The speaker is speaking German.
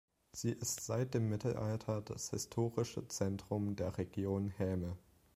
Sie ist seit dem Mittelalter das historische Zentrum der Region Häme.